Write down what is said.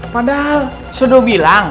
padahal sudah bilang